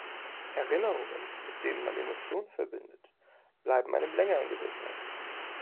Erinnerungen, mit denen man Emotionen verbindet, bleiben einem länger im Gedächtnis.